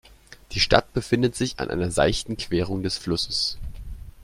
Die Stadt befindet sich an einer seichten Querung des Flusses.